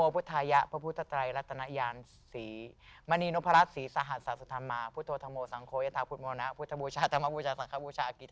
บทสวทธิ์อะไรครับ